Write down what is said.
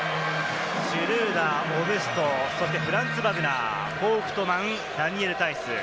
シュルーダー、オブスト、そしてフランツ・バグナー、フォウクトマン、ダニエル・タイス。